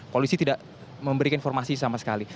polisi tidak memberikan informasi sama sekali